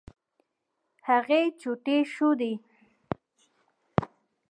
هغې چوټې ښودې.